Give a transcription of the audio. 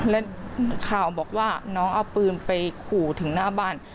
และข่าวบอกว่าน้องเอาปืนไปขู่ถึงหน้าบ้าน